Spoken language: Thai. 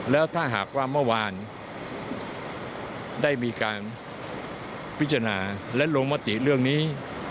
แล้วถ้าหากว่าเมื่อวานได้มีการพิจารณาและลงมติเรื่องนี้